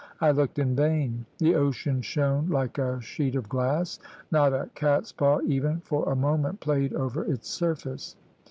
I looked in vain. The ocean shone like a sheet of glass not a cat's paw even for a moment played over its surface.